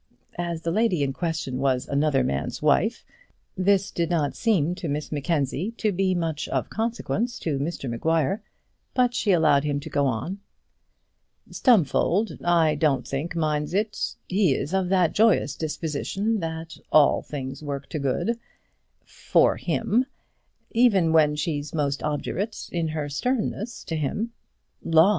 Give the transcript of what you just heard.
As the lady in question was another man's wife, this did not seem to Miss Mackenzie to be of much consequence to Mr Maguire, but she allowed him to go on. "Stumfold I don't think minds it; he is of that joyous disposition that all things work to good for him. Even when she's most obdurate in her sternness to him " "Law!